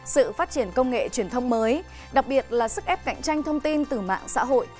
sự phát triển công nghệ truyền thông mới đặc biệt là sức ép cạnh tranh thông tin từ mạng xã hội